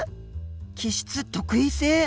基質特異性？